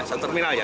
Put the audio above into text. satu terminal ya